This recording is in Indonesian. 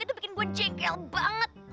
itu bikin gue jengkel banget